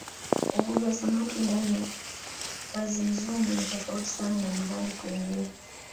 uvuvi wa samaki ndani ya kazimzumbwi ni tofauti sana na mahali kwingine